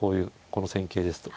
この戦型ですと。